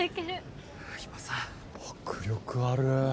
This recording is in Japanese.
迫力ある！